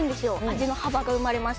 味の幅が生まれます。